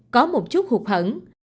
có một chút hụt hẳn